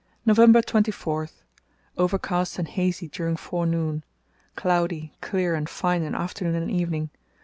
"November 24.—Overcast and hazy during forenoon. Cloudy, clear, and fine in afternoon and evening.